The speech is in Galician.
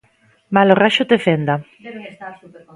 Malo raxo te fenda!